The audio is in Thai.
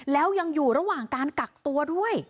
แล้วยังอยู่ระหว่างการกักตัวด้วย